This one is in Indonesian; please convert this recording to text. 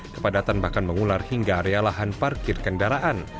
kepadatan bahkan mengular hingga area lahan parkir kendaraan